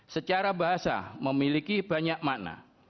secara bahasa memiliki banyak makna